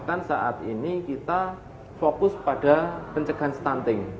karena saat ini kita fokus pada pencegahan stunting